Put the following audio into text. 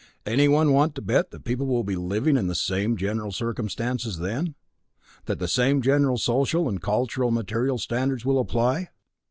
Anyone want to bet that people will be living in the same general circumstances then? That the same general social and cultural and material standards will apply?